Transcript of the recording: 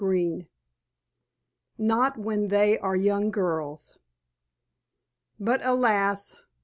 XXXIV "NOT WHEN THEY ARE YOUNG GIRLS" But, alas!